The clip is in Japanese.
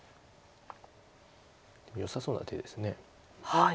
よさそうな手です。